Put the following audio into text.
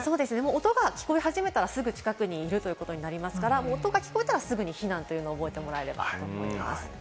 音が聞こえ始めたら、すぐ近くにいるということになるのですぐ避難と覚えてもらえればと思います。